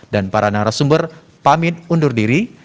dan para narasumber pamit undur diri